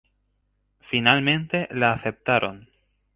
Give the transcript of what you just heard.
Finalmente, la aceptaron.